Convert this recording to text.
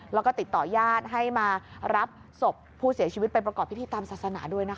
แล้วก็ติดต่อญาติให้มารับศพผู้เสียชีวิตไปประกอบพิธีตามศาสนาด้วยนะคะ